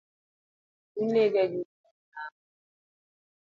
Unega gi nyiero nang’o?